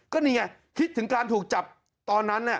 ก็นี่ไงคิดถึงการถูกจับตอนนั้น